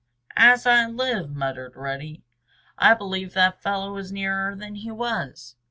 "As I live," muttered Reddy, "I believe that fellow is nearer than he was!"